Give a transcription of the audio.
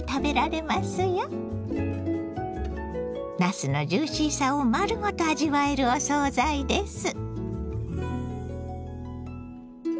なすのジューシーさを丸ごと味わえるお総菜です。